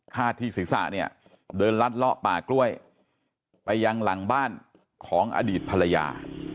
ที่ศีรษะเนี่ยเดินลัดเลาะป่ากล้วยไปยังหลังบ้านของอดีตภรรยา